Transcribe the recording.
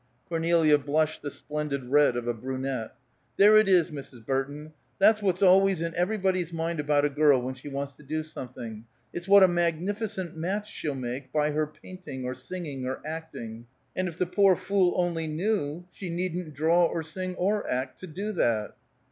Cornelia blushed the splendid red of a brunette. "There it is, Mrs. Burton! That's what's always in everybody's mind about a girl when she wants to do something. It's what a magnificent match she'll make by her painting or singing or acting! And if the poor fool only knew, she needn't draw or sing or act, to do that."